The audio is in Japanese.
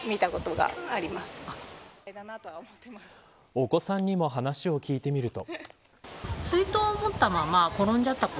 お子さんにも話を聞いてみると。